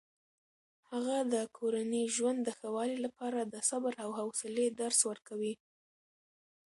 هغه د کورني ژوند د ښه والي لپاره د صبر او حوصلې درس ورکوي.